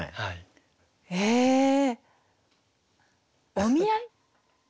「お見合い」？